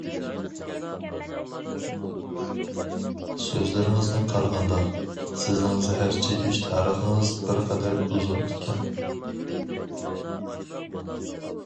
سۆزلىرىڭىزدىن قارىغاندا، سىزنىڭ زەھەر چېكىش تارىخىڭىز بىرقەدەر ئۇزۇن ئىكەن.